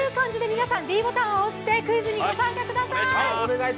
皆さんｄボタンを押して参加ください。